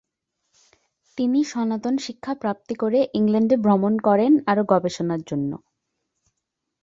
তিনি সনাতন শিক্ষা প্রাপ্তি করে ইংল্যান্ডে ভ্রমণ করেন আরো গবেষণার জন্য।